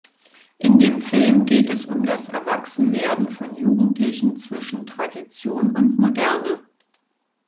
In dem Film geht es um das Erwachsenwerden von Jugendlichen zwischen Tradition und Moderne.